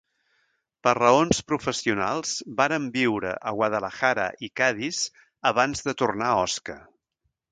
Per raons professionals varen viure a Guadalajara i Cadis abans de tornar a Osca.